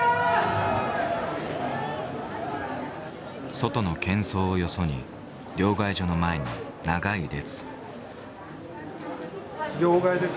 外のけん騒をよそに両替所の前に長い列。